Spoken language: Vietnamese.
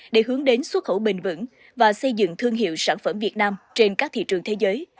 để hướng đến xuất khẩu bền vững và xây dựng thương hiệu sản phẩm việt nam trên các thị trường thế giới